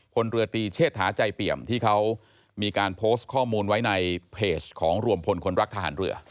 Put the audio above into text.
คนเรือตีเชษฐาใจเปี่ยมที่เขามีการโพสต์ข้อมูลไว้ในเพจของรวมพลคนรักทหารเรือ